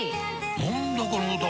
何だこの歌は！